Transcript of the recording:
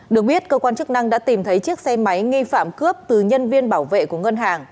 được biết cơ quan chức năng đã tìm thấy chiếc xe máy nghi phạm cướp từ nhân viên bảo vệ của ngân hàng